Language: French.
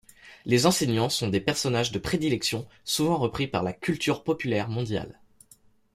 Les enseignants sont des personnages de prédilection souvent repris par la culture populaire mondiale.